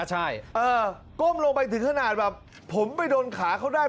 ใช่ก้มลงไปถึงขนาดแบบผมไปโดนขาเขาได้